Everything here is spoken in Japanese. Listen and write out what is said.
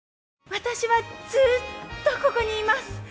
私はずっとここにいます。